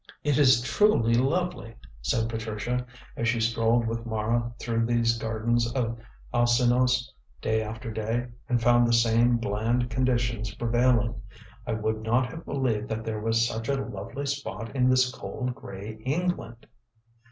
"It is truly lovely," said Patricia, as she strolled with Mara through these gardens of Alcinous, day after day, and found the same bland conditions prevailing. "I would not have believed that there was such a lovely spot in this cold, grey England."